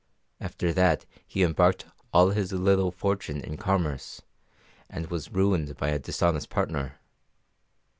After that he embarked all his little fortune in commerce, and was ruined by a dishonest partner.